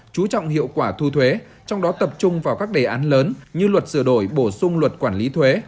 chú trọng hiệu quả thu thuế trong đó tập trung vào các đề án lớn như luật sửa đổi bổ sung luật quản lý thuế